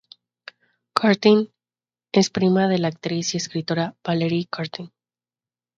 Curtin es prima de la actriz y escritora Valerie Curtin.